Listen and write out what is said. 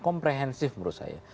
komprehensif menurut saya